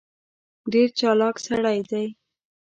ډېر چالاک سړی دی.